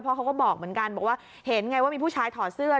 เพราะเขาก็บอกเหมือนกันบอกว่าเห็นไงว่ามีผู้ชายถอดเสื้อ